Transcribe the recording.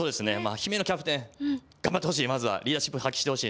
姫野キャプテン、頑張ってほしい、まずはリーダーシップ発揮してほしい。